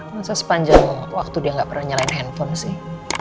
masa sepanjang waktu dia nggak pernah nyalain handphone sih